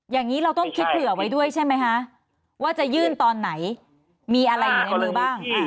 อย่างนี้เราต้องคิดเผื่อไว้ด้วยใช่ไหมคะว่าจะยื่นตอนไหนมีอะไรอยู่ในมือบ้าง